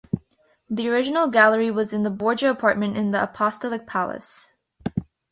The original gallery was in the Borgia Apartment in the Apostolic Palace.